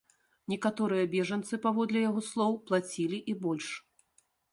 Некаторыя бежанцы, паводле яго слоў, плацілі і больш.